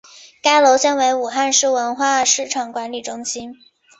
该楼现为武汉市文化市场管理中心。